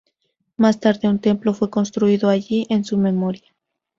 Más tarde un templo fue construido allí en su memoria.